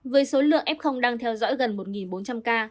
với số lượng f đang theo dõi gần một bốn trăm linh ca